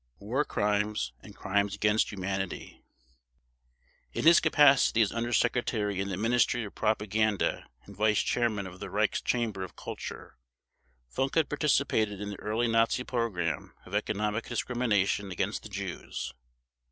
War Crimes and Crimes against Humanity In his capacity as Under Secretary in the Ministry of Propaganda and Vice Chairman of the Reichs Chamber of Culture, Funk had participated in the early Nazi program of economic discrimination against the Jews.